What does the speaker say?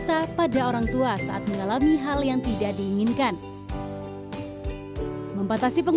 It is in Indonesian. kalau mae tidak guna maka sama sekali selama antum ada bercal certainly